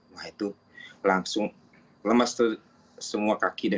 wah itu langsung lemas tuh semua kaki